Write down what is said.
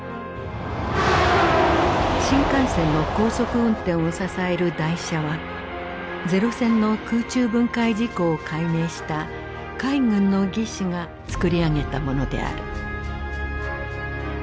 新幹線の高速運転を支える台車は零戦の空中分解事故を解明した海軍の技師がつくり上げたものである。